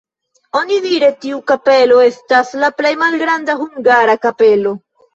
Onidire tiu kapelo estas la plej malgranda hungara kapelo.